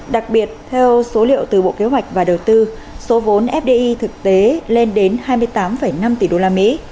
đặc biệt theo số liệu từ bộ kế hoạch và đầu tư số vốn fdi thực tế lên đến hai mươi tám năm tỷ usd